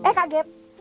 eh kak gep